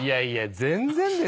全然です。